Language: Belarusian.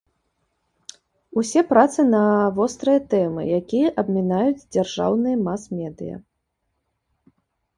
Усе працы на вострыя тэмы, якія абмінаюць дзяржаўныя мас-медыя.